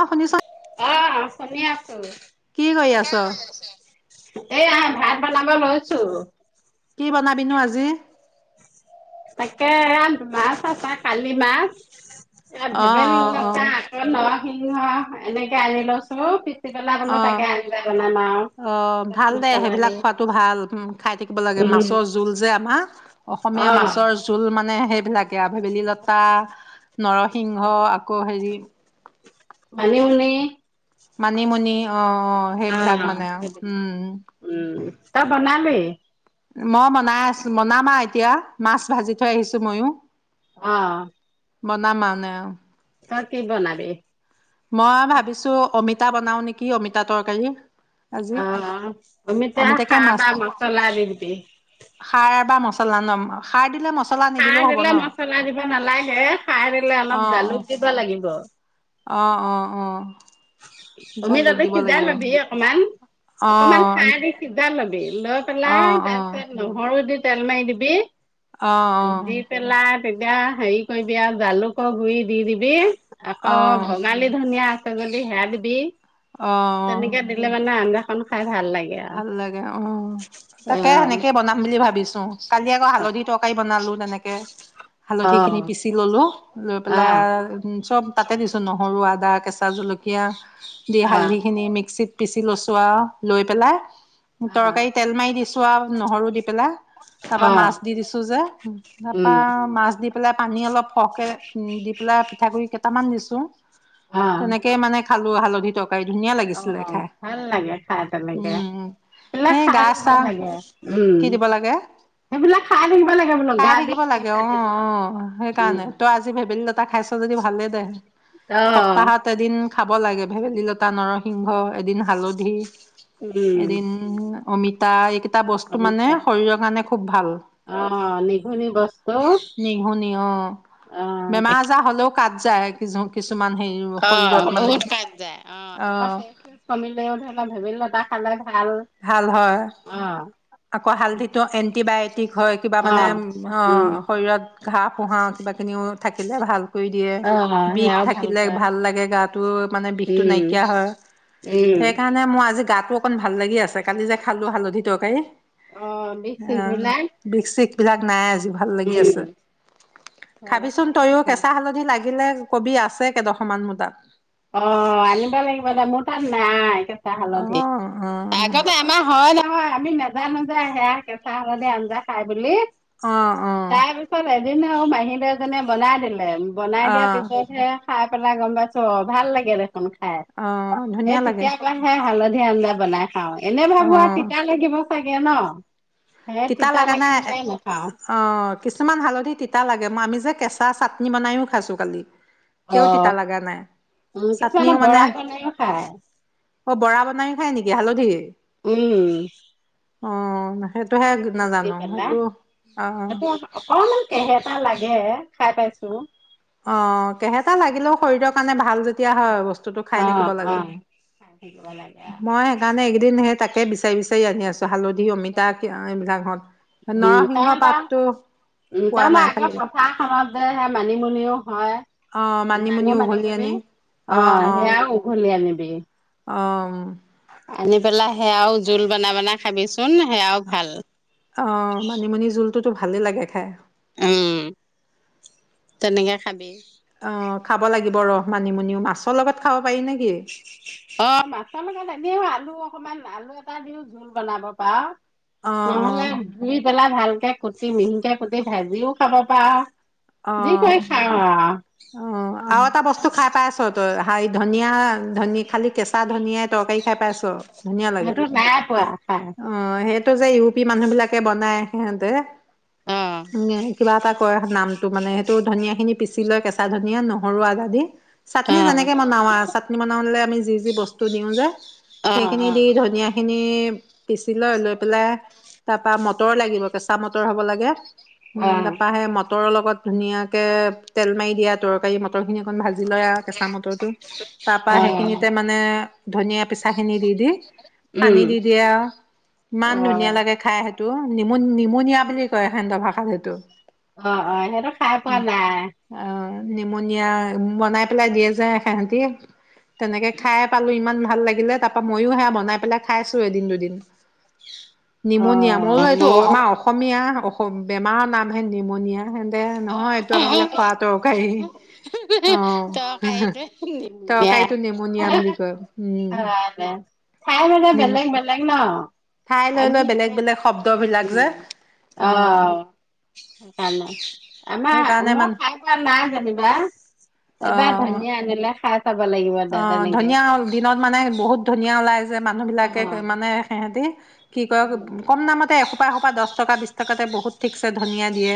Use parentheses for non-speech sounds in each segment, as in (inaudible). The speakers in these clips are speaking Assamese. অ শুনিছ। অ', শুনি আছোঁ কি কৰি আছ (unintelligible) এ আ ভাত বনাব লৈছো কি বনাবিনো আজি তাকে মাছ আছা কালি মাছ অ ভেদেলি অ অ লতা ন সিংহ এনেকে আনি লৈছোঁ। অ অ ভাল দে মছলা দি সেইবিলাক খোৱাতো ভাল খাই থা কিব লাগে উম, মাছৰ জোল যে আমাৰ অসমীয়া অ', মাছৰ জোল মানে সেইবিলাকে আভবেলি লতা নৰসিংহ আকৌ হেৰি মানিমুনি মানিমুনি অ অ সেইবিলাক অ', মানে উম উম, তই (unintelligible) মই বনাই আছো বনাম আ এতিয়া মাছ ভাজি থৈ আহিছো ময়ো। অ বনাম মানে অ। ত কি বনাবি? মই ভাবিছো অমিত তা বনাও নেকি অমিতা তৰকাৰী আজি অ অমিতা অমিতাকে সাৰ মাছ বা মচলা দি দিবি চলা নম্বৰ সাৰ দিলে ম খাৰ দিলে মচলা দিব নালাগে সাৰ দিলে অ অলপ জালুক দিব লাগিব অ অ অ অমিতাটো জালুক তাতে দিব সিজাই লাগিব ল'বি অকমান অ অকমান খাৰ দি সিজা ল'বি লৈ অ অ পেলাই অ তাৰপিছত নহৰু দি তেলমাৰি দিবি অ দি পেলেই তেতিয়া হেৰি কৰিবি আৰু জালুকৰ গুৰি দি দিবি আকৌ অ বঙালী ধনিয়া ় (unintelligible) সেয়া দিবি অ অ তেনেকে দিলে মানে আন্দা অখন খাই ভাল লাগে ভাল লাগে অ তাকে আৰু সেনেকেই বনাম বুলি ভাবিছো কালি আকৌ অ হালধি তৰকাৰি বনালো তেনেকে অ হালধি খিনি পিচি ললো লৈ পেলাই চব তাতে দিছো নহৰু আদা কেঁচা জলকীয়া দি অ হালধি খিনি মিক্সিত পিচি লৈ চো লৈ পেলাই অ তৰকাৰী তেল মাৰি দিছো চোৱা নহৰু দিপ পেলাই তাৰপৰা অ অ মাছ দি দিছোঁ যে তাপা উম মাছ দি পেলাই পানী অলপ সহকে উ দি পেলাই পিঠাগুৰি কেইটামান দিছো অ তেনেকে মানে খালো হালধি তৰকাৰী ধুনীয়া অ লাগিছিলে ভাল লাগে খাই প লাগে উ এ গা চা উম কি দিব লাগে সেইবিলাক খাই থাকিব লাগে বোলো খাই গা থাকিব বেয়া শেষ লাগে অ কাটিব অ সেইকাৰণে উম তই আজি ভেবেলি লতা খাইছ যদি ভালেই দে অ সপ্তাহত এদিন খাব লাগে ভেবেলী লতা নৰসিংহ এদিন হালধি উম এদিন অমিত তাইক এটা বস্তু মানে অমিতা শৰীৰৰ কাৰণে খুব ভাল অ নিঘুনি বস্তু নিহুনি অ অ বেমাৰ তাকে আজাৰ হ'লেও কাট যায়ে কিছু কিছু অ বহুত কাট যায় অ আকৌ তেজ চেজ কমিলেও ধৰি ল ভেবিলি লতা পালেং ভাল হয় আকৌ হালধিটো এন্টিবায়টিক হয় কিবা অ মানে অ উম শৰীৰত ঘাঁহ পোহা কিবা কিনিও থাকিলে ভাল কৰি দিয়ে অ বিষ সেয়াও থাকিলে পোৱা ভাল লাগে গাত মানে বিষটো উম নাইকিয়া হয় উম সেইকাৰণে মই আজি গাটো অকণ ভাল লাগি আছে কালি যে খালো হালধি তৰকাৰী অ বিষ অ, চিষ বিলাক বিসিক বিলাক নাই ভাল লাগি উম আছে ঘৰলে খাবিচোন খাই থাকিব তইও কেঁচা লাগে হালধি লাগিলে কবি আছে আছে কেইডোখমান মোৰ টাত অ আনিব লাগিব দে মোৰ তাত নাই কেঁচা অ হালধি অ আগতে আমাৰ হয় ন অ আমি নেজানো যে সেয়া কেঁচা হালধি আঞ্জা খাই বুলি আহ আহ এদিনা আৰু মাহীদৈ‌ এজনীয়ে বনাই দিলে বনাই অ দিয়া পিছতহে খাই পেলাই গম পাইছো আৰু ভাল লাগে দেখোন খায় অ সে ধুনীয়া লাগে তেতিয়া পাহে হালধি যি আঞ্জা বনাই অ এনে অ ভাবো আ তিতা লাগিব চাগে ন সেই তিতা লাগা লাগে নাই বুলিয়ে নাখাওঁ অ কিছুমান হালধি তিতা লাগে মই আমি যে কেঁচা চাটনি বনাইও খাইছো কালি অ তেও তিতা লগা নাই উ চাটনিও কিছুমানে মানে বৰা কণীও খায় অ বৰা বনাইও খাই নেকি হালধি উম অ সেইটোহে নাজানো পেলা সেইটো অ অকনমান কেহেটা লাগে গে খাই পাইছো অ কেহেটা লাগিলেও শৰীৰৰ কাৰণে ভাল যেতিয়া হয় বস্তু বস্তোটো খাই অ থাকিব অ। লাগে খাই থাকিব লাগে আ মই সেইকাৰণে এইকেইদিন তাকে বিচাৰি বিচাৰি আনি আছো হালধি অমিতা এইবিলাক হত উম ত উ ত পোৱা মে নাই আগে খালি প্ৰথাৰখনত যেহে মানিমুনিও হয় অ মানিমুনি ডাঙৰ উঘলি মানিমুনি আনি অ সেয়া উঘ কি আনিবি আহ আনি পেলাই সেয়াও জোল বন বনাই খাবিচোন সেয়াও ভাল অঁ মানিমুনি জোলটোতো ভালেই লাগে খাই উম তেনেকে খাবি অ খাব লাগিব ৰ মানিমুনিও মাছৰ লগত খাওঁ অ মাছ মা এনে আলু ত অকমান আলু এটা দিও জোল বনাব পাৰ অ অ নহলে ভালকে কুটি মিহিক কুটি ভাজিও খাব পাৰা অ অ আও আৰু এটা বস্তু খাই পাই আছ তই হ ধনিয়া ধনীয়া খালি কেঁচা ধনীয়ে তৰকাৰী খাই পাইছ ধুনীয়া লাগে সেইটো নাই পোৱা খাই অ টো যে ইউৰপি মানুহ বিলাকে বনাই সিহঁতে অ কিবা এটা কৰে নাম মানে সেইটো ধনিয়া খিনি পিচি লয় কেঁচা ধনিয়া নহৰু আদাদি চাটনি অ যেনেকে বনা চাটনি বনালে আমি যি যি বস্তু দিওঁ যে সেইখিনি অ দি ধনিয়াখিনি পিচি লৈ লৈ পেলাই তাৰপা মটৰ লাগিব কেঁচা মটৰ হ'ব লাগে অ তাৰপা সেই মটৰৰ লগত ধুনীয়াকে তেল মাৰি দিয়া তৰকাৰী মটৰ খিনি অকণ ভাজি ভাজি লয় আৰু কেঁচা মটৰ টো তাৰ পৰা অ অ সেইখিনিতে মানে ধনিয়া পিচাখিনি দি দি পানী উম, দি দিয়ে আৰু ইমান ধুনীয়া অ', লাগে খাই স টো নিমু নিমনিয়া বুলি কয় এখেন্দ ভাষাতটো অ অ মই খাই পোৱা নাই নিমনিয়ৰ বনাই পেলাই দিয়ে যে সেহতি তেনেকে খাইে পালো ইমান ভাল লাগিলে তাৰপা মইো সেয়া বনাই পেলাই খাইছো এদিন দুদিন নিমনিয়া অ', মইো এইটো আমাৰ অসমীয়া বেমাৰৰ নাম হেন নিউমনিয়া হেন অ অ ত এইটো বেয়া তৰকাৰীটো নিমুনিয়া বুলি কয় উম অ চাই মানে নিম বেলেগ বেলেগ ন ঠাই লৈ আমি লৈ বেলেগ এয়া বেলেগ উ শব্দবিলাক যে অ সেইকাৰণে। আমাৰ সেইকাৰণে মই মান খাই পোৱা নাই যেনিবা অ এবাৰ ধনিয়া আনিলে। খাই চাব লাগিব দে অ তেনেকে ধনীয়া দিনত মানে বহুত ধনীয়া ওলাই। যে মানুহ বিলাকে অ'। মানে সিহঁতি। কি কয় উম, কম দামতে এসোপা এশোপা দহ টকা বিশ টকাতে বহুত ঠিকছে ধনিয়া দিয়ে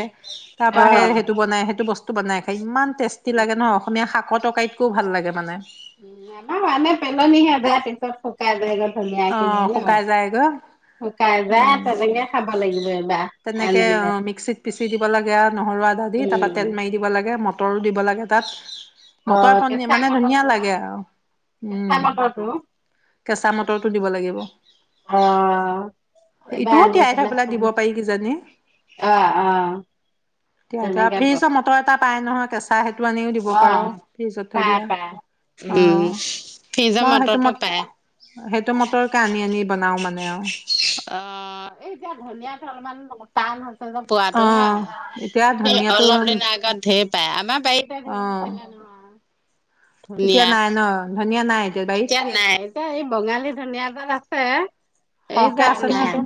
তাৰ পৰা সে অ', সেইটো বনাই সেইটো বস্তু। বনাই খায় ইমান। টেষ্টি উম, লাগে ন অসমীয়া শাক। মাছৰ টৰকাৰিতকৌ ভাল লাগে মানে। উ আমাৰ মানে পেলনিহে যায় পিছত শুকাই যায় গৈ। নিয়া অ খিনিয়ে ন শুকাই যায়গৈ নাযাই উম তেনেকে খাব। ভাল লাগিলে। তেনেকে অ মিক্সিত পিচি দিব লাগে নহৰু আদা দি তাৰ পৰা উম তেল মাৰি দিব লাগে ম। দিব লাগে তাত অ মটৰ পনীৰ কেঁচাই মানে মটৰ ধুনীয়া পোৰা লাগে আৰু উম কেঁচা মটৰটো কেঁচা মটৰটো দিব লাগিব অ এইবাৰ ইটোও আনি তিয়াই থৈ পেলাই খাম দিব । কিজানি অ অ তেনেকে ফিৰিজ ব মটৰ। পাই নহয় কে। তই সেইটো আনিও দিব অ পাৰো ফ্ৰিজত থৈ পাই দিয়া পাই অ উম ফ্ৰিজৰ মই সেইটো মটৰটো মত। পায় সেইটো মটৰকে আনি আনি বনাও মানে আৰু। অ এই এতিয়া ধনিয়াত অলপমান টান হৈছে । অ পোৱাতটো হয় এতিয়া ধনিয়াটো অলপ দিনৰ আগত ঢেপ। পায় আমাৰ। বাইটতে অ অলপ নহ। এতিয়া নাই ন ধনীয়াা নাই। এতিয়া নাই। এতিয়া এই বঙালী ধুনীয়াজাত আছে। এই সহকে জাত আছে ন নাই সেইটো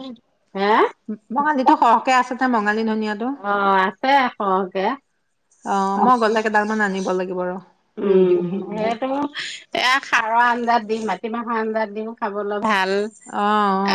হে বঙালীটো সহকে আছে ন বঙালী ধনিয়াত। অ আছে সহকে অ। মই গ'লে কেইডালমান আনিব লাগিব আৰু। উম সেইটো এয়া সাৰৰ আঞ্জাত দি মাতি। কিবা আঞ্জাত দিও খাব লাগিব। ভাল অ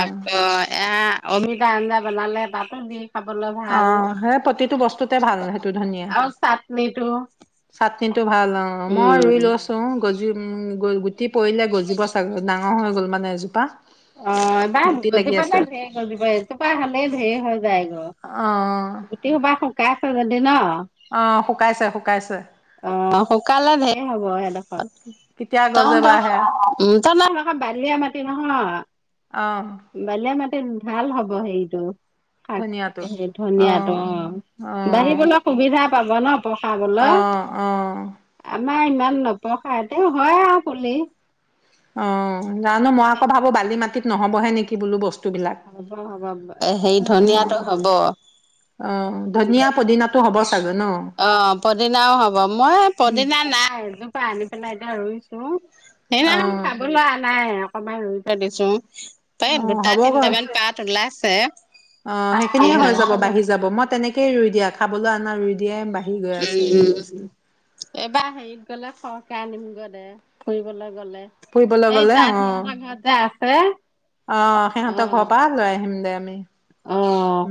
আকৌ এয়া। অমিতা আঞ্জা বনালে পাত দিও। খাবলৈ অ অ ভাল সেই প্ৰতিটো বস্তুতে ভাল সেইটো ধনিয়া আৰু চাটনিটো । চাটনিটো ভাল অ মই ৰুই লৈছোঁ গজি । গুটি পৰিলে গজিব চাগ ডাঙৰ হৈ গ'ল মানে এজোপা (unintelligible) অ এবাৰ গুটি গুচি লাগি বলে আছে ধেই গজিব এজোপা হলে ধেৰ হৈ যায় অ গৈ গোটেই সোপা শুকাই আছে যদি ন অ শুকাইছে শুকাইছে অ শুকালে ঢেৰ হব সেইডোখৰ কেতিয়া গজে তহত বা সেয়া উ তহত হেডখৰ বালিয়া মাটি নহয় অ বালিয়া। বালিয়া মাটি ভাল হ'ব সেইটো ধনিয়াটো শাক অ ধনিয়াতো অ বাঢ়িবলৈ সুবিধা পাব ন প খা বলৈ অ (unintelligible) অ আমাৰ ইমান নপসাই তেও হয় আৰু খুলি অ জানো মই আকৌ ভাবোঁ বালি মাতি নহ'ব হে নেকি বোলো বস্তু হ'ব হ'ব হে অ ধনিয়াটো হব অ ধনিয়া পদিনাটো হ'ব চাগৈ ন অ পদিনাও হব মই উম পদিনা নাই এজোপা আনি পেলাই। এয়া ৰুইছো সেই দিনা অ খাবলৈ নাই কমাই ৰুই থৈ দিছো তে অ দুটাত হ'বগৈ তিনিটামান পাত উলাইছ তে অ সেইখিনিয়ে হৈ যাব বাঢ়ি যাব মই তেনেকে। কেই ৰুই দিয়া খাবলৈ আনা ৰুই দিয়া এইবাৰ হেৰিত গলে ফ ক নিমগ দে ফুৰিবলৈগে গলে ফুৰিবলৈ সেই গলে তাই অ সিহঁতৰ ঘৰতে আ হে অ সিহঁতৰ ঘৰ পৰা লৈ আহিম দে আমি অ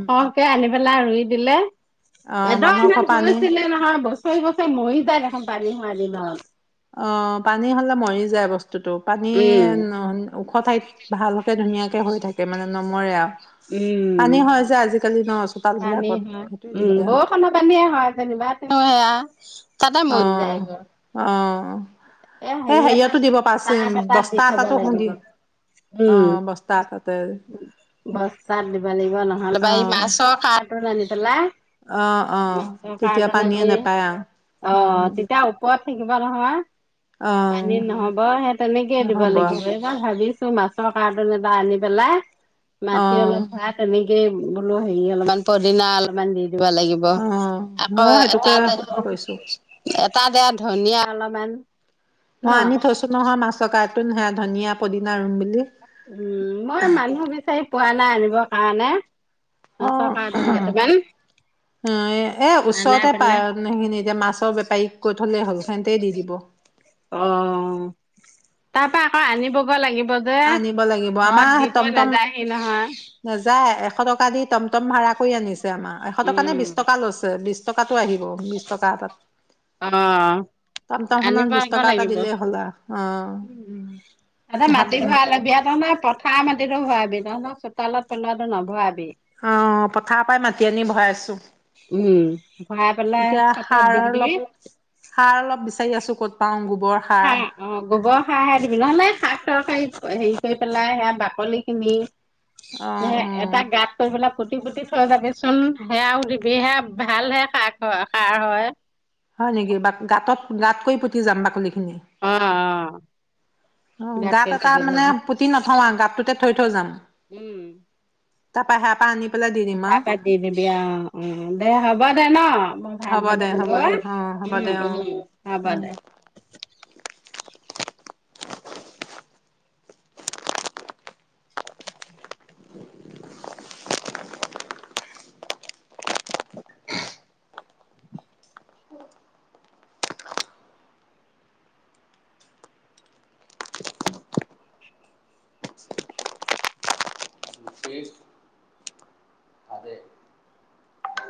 খকে। আনি পেলাই ৰুই দিলে অ এদ মানুহৰ ইমান ঘৰ হৈ পানী আছিলে নহয় বছৰি বছৰি মৰি তাই দেখোন পানী সোৱাই দিল । (unintelligible) ন। অ পানী হলে মৰি যায় বস্তু। তো পানী উম। নহ ওখ ঠাইত ভালকে ধুনীয়াকে। হৈ থাকে, মানে নমৰে আৰু। উম পানী হয় যে আজিকালি ন চোতাল পানী বিলাকত হয় সেইটোৱে উম দিগদাৰ বৰখণৰ পানীয়ে হয় যেনিবা তেওঁ সেয়া চাদা অ মৰি অ যায়গৈ এ এই হেৰি হেৰিয়তো দিব এটাত পাৰছ টাব এটাত দি বস্তা থব এটাতো খুন্দি লাগিব, অ উম বস্তা এটাতে বস্তাত দিব লাগিব নহলে বা এই অ মাছৰ কা। ৰ্টুন আনি পেলাই (unintelligible) অ', অ', মাছৰ তেতিয়া কাৰ্টুন পানীয়ে আনি, নাপায় আৰু অ উম, তেতিয়া ওপৰত। থিকিবাৰ হোৱা (unintelligible) পানী অ', নহব সেই তেনেকে দিব, নহ'ব লাগিব এইবাৰ ভাবিছো। মাছৰ কাৰ্টুন এটা আনি পেলাই। মাটি অ', অলপ ভৰাই তুমি। বোলো হেৰি অলপমান, পদিনা অলপমান দি। দিব লাগিব, অ', আকৌ ময়ো এটা। সেইটোকে কৈছো তাত ধনিয়া অলপমান। ন মই আনি থৈছো নহয়, মাছৰ কাৰ্টুন হে ধনিয়া। পদিনা ৰুম বুলি। উম মই মানুহ বিচাৰি পোৱা নাই আনিব। আনে। অ এ আনাই ওচৰতে পেলাই পায় সেইখিনি, এতিয়া মাছৰ বেপাৰীক কৈ থলে হ'ল সেতে দি দিব। অ, তাৰ পা আকৌ আনিবগ লাগিব। যে আনিব লাগিব, ঘৰত আমাৰ দি থৈ টমটম নাযায়হি নহয় নাযায় এখ। এশ টকা দি টমটম ভাড়া কৰি আনিছে। আমাৰ এশ টকা নে বিশ উম টকা লৈছে, বিশ টকাটো আহিব বিশ টকা এটাত অ' টমটম খনত আনিব বিশ আকৌ টকা এটা লাগিব। দিলেই হ'লা অহ। ভাল বিয়াতো নাই, পথাৰ মাটিতো ভৱা। বিনন্দ চোতালত পেলোৱাটো নভোৱা। অ পথাৰৰ পৰাই মাতি আনি। নি ভৰাইছোঁ। উম্ ভৰাই পেলাই চতত দিবি। অলপ সাৰ অলপ বিচাৰি আছোঁ ক'ত পাওঁ গোবৰ। সাৰ। ওম ওম গোবৰ সাৰ হে দিবি নহলে শাক তৰকাৰী। অ হেৰি কৰি পেলাই সেয়া বাকলি খিনি। উম্ অ' এটা অ' গাত কৰি পেলাম। পুটি পুটি থৈ চাবিচোন সেয়াওঁ দিবি হে ভালহে শাক হয় সাৰ হয়। হয় নেকি বা গাঁতত। গাতকৈ পুতি যাম বাকলিখিনি। অঁ অঁ। অ গাত এটা মানে পুতি নথওঁ গাতটোতে থৈ থৈ যাম। তাৰ পৰা হে পানী আনিবি। হেয়াৰ পৰা দি দিবি আৰু উম্ দে হ'ব দে ন মই হ'ব ভাত দে বনাম হ'ব দে গৈ অ' হ'ব দে উম্ অ'। উম্ হ'ব উম। দে। (unintelligible)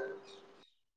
(unintelligible)